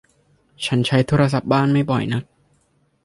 ฉันใช้โทรศัพท์บ้านไม่บ่อยนัก